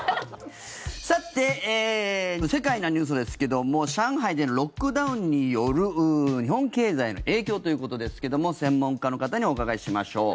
さて世界なニュースですけども上海でのロックダウンによる日本経済への影響ということですけども専門家の方にお伺いしましょう。